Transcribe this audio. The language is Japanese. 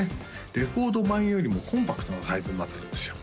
レコード盤よりもコンパクトなサイズになってるんですよ